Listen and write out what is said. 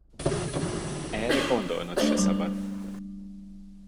Erre gondolnod se szabad!